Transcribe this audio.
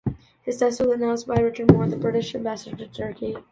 His death was announced by Richard Moore, the British Ambassador to Turkey.